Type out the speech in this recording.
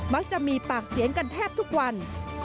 มักจะมีปากเสียงกันแทบทุกวัน